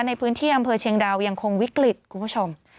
ในพื้นที่อำเภอเชียงดาวยังคงวิกฤตคุณผู้ชม